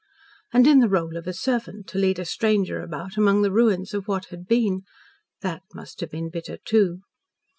And in the role of a servant to lead a stranger about among the ruins of what had been that must have been bitter, too.